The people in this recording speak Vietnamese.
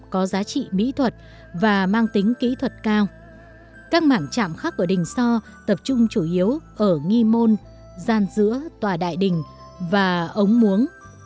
các mảng trạm khắc của đình so tập trung chủ yếu ở nghi môn gian giữa tòa đại đình và ống muống